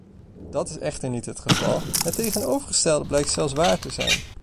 Dat is echter niet het geval, het tegenovergestelde blijkt zelfs waar te zijn.